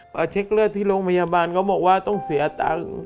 พอเช็คเลือดที่โรงพยาบาลเขาบอกว่าต้องเสียตังค์